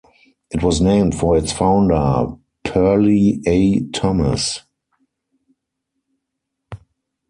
It was named for its founder, Perley A. Thomas.